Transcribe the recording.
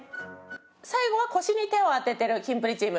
最後は腰に手を当ててるキンプリチーム。